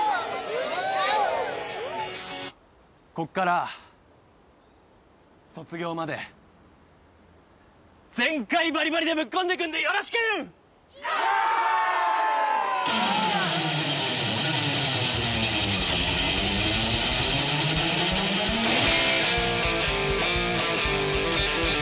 こっから卒業まで全開バリバリでぶっ込んでくんでよろしく！イェ！